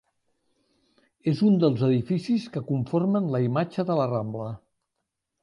És un dels edificis que conformen la imatge de la Rambla.